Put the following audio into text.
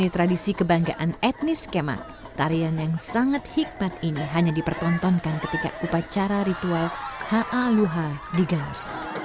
tarian yang sangat hikmat ini hanya dipertontonkan ketika upacara ritual ha'a luhar di gar